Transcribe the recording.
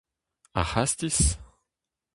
Ar c'hastiz ?